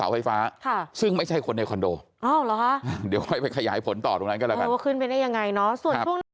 ว่าขึ้นไปได้ยังไงเนาะ